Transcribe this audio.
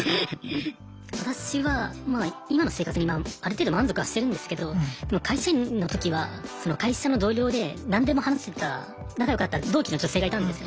私はまあ今の生活にある程度満足はしてるんですけどでも会社員の時は会社の同僚で何でも話せた仲良かった同期の女性がいたんですよ。